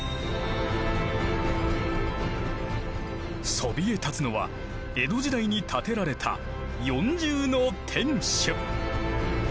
そびえ立つのは江戸時代に建てられた四重の天守。